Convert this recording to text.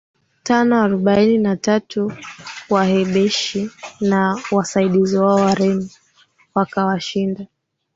tano arobaini na tatu Wahabeshi na wasaidizi wao Wareno wakawashinda